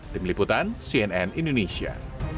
tim liputan cnn indonesia